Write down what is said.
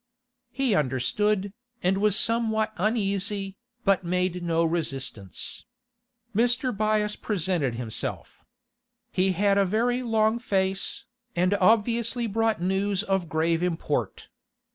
He understood, and was somewhat uneasy, but made no resistance. Mr. Byass presented himself. He had a very long face, and obviously brought news of grave import.